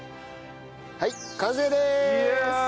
はい完成でーす！